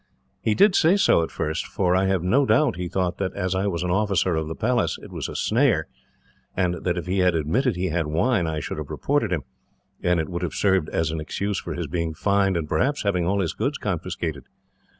He did say so, at first, for I have no doubt he thought that, as I was an officer of the Palace, it was a snare, and that if he had admitted he had wine I should have reported him, and it would have served as an excuse for his being fined, and perhaps having all his goods confiscated.